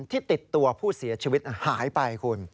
ที่ติดตัวผู้เสียชีวิตหายไปคุณ